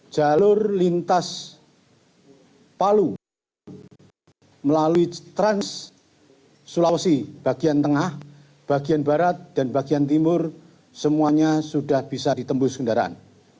jalur lintas palu melalui trans sulawesi bagian tengah bagian barat dan bagian timur semuanya sudah bisa ditembus kendaraan